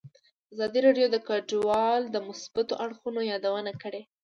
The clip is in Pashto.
ازادي راډیو د کډوال د مثبتو اړخونو یادونه کړې.